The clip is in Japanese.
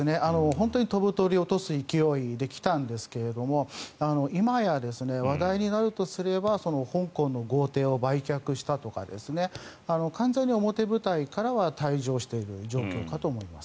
本当に飛ぶ鳥を落とす勢いで来たんですが今や話題になるとすれば香港の豪邸を売却したとか完全に表舞台からは退場している状況かと思います。